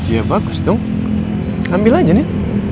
ya bagus dong ambil aja nih